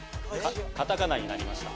カタカナになりました。